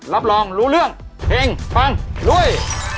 รับรองรู้เรื่องเฮงปังรวย